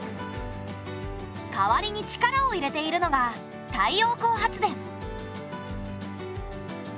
代わりに力を入れているのが太陽光発電。